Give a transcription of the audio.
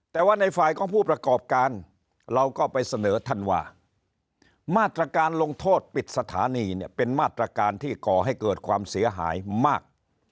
แต่ว่าในฝ่ายของผู้ประกอบการเราก็ไปเสนอท่านว่ามาตรการลงโทษปิดสถานีเนี่ยเป็นมาตรการที่ก่อให้เกิดความเสียหายมาก